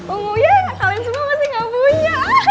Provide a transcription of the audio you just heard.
ungunya yang kalian semua masih ga punya